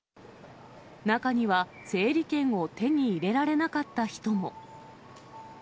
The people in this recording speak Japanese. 中には、整理券を手に入れられなかった人も。